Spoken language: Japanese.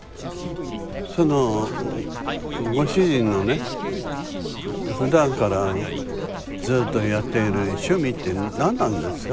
そのご主人のねふだんからずっとやっている趣味って何なんですか？